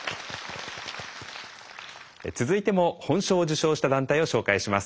続いても本賞を受賞した団体を紹介します。